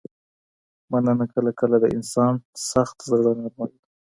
مننه کله کله د انسان سخت زړه نرموي.